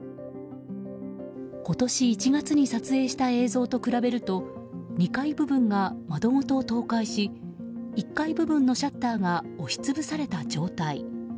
今年１月に撮影した映像と比べると２階部分が窓ごと倒壊し１階部分のシャッターが押し潰された状態。